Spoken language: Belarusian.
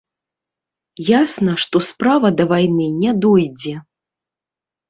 Ясна, што справа да вайны не дойдзе.